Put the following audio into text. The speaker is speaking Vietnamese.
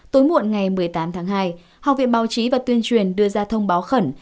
tối muộn ngày một mươi tám tháng hai học viện báo chí và tuyên truyền đưa ra thông báo khẩn